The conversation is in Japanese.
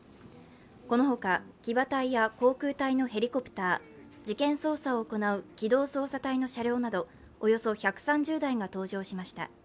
このほか、騎馬隊や航空隊のヘリコプター事件捜査を行う機動捜査隊の車両など、およそ２３０台が登場しました。